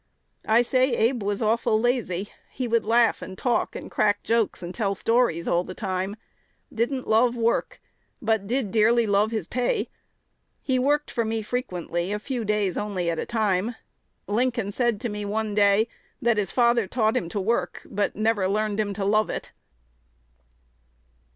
I say Abe was awful lazy: he would laugh and talk and crack jokes and tell stories all the time; didn't love work, but did dearly love his pay. He worked for me frequently, a few days only at a time.... Lincoln said to me one day, that his father taught him to work, but never learned him to love it."